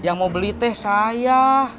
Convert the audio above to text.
yang mau beli teh saya